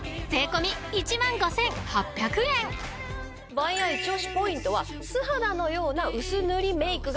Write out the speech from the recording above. バイヤー一押しポイントは素肌のような薄塗りメークができる。